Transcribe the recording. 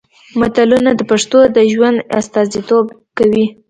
متلونه د پښتنو د ژوند استازیتوب کوي